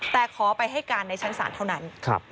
แต่ขอไปให้การในชั้นศาลเท่านั้น